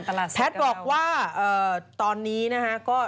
แพทย์บอกว่าตอนนี้นะฮะก็